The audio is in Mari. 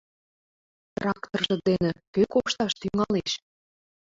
Тракторжо дене кӧ кошташ тӱҥалеш?